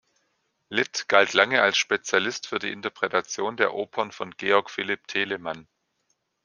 Litt galt lange als Spezialist für die Interpretation der Opern von Georg Philipp Telemann.